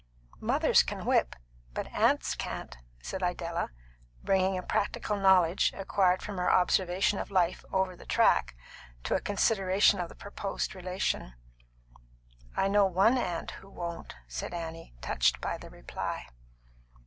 "Mothers can whip, but aunts can't," said Idella, bringing a practical knowledge, acquired from her observation of life Over the Track, to a consideration of the proposed relation. "I know one aunt who won't," said Annie, touched by the reply.